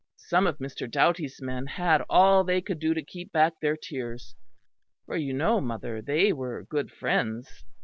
Some of Mr. Doughty's men had all they could do to keep back their tears; for you know, mother, they were good friends.